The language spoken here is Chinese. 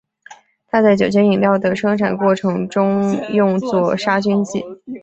它在酒精饮料的生产过程中用作杀菌剂。